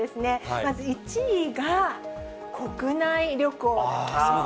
まず１位が国内旅行ですね。